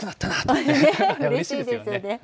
うれしいですよね。